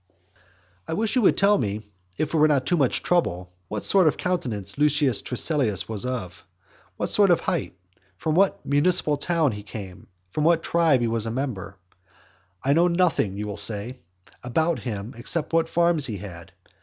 I wish you would tell me, if it is not too much trouble, what sort of countenance Lucius Turselius was of; what sort of height; from what municipal town he came; and of what tribe he was a member. "I know nothing," you will say, "about him, except what farms he had."